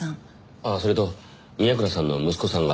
ああそれと宮倉さんの息子さんが。